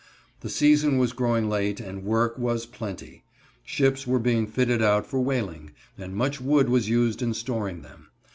The season was growing late and work was plenty. Ships were being fitted out for whaling, and much wood was used in storing them.